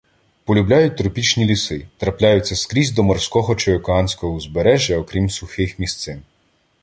Полюбляють тропічні ліси, трапляються скрізь до морського чи океанського узбережжя, окрім сухих місцин.